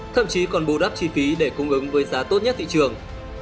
thậm chí còn bù đắp chi phí để cung ứng với giá tốt nhất thị trường